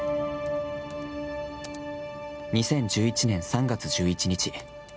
２０１１年３月１１日。